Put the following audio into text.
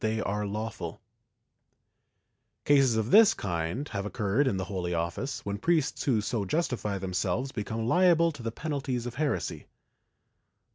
V] ITALIAN MYSTICS 43 have occurred in the Holy Office, when priests who so justify themselves become liable to the penalties of heresy.